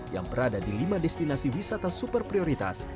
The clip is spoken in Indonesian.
yang berada di lima destinasi wisata super prioritas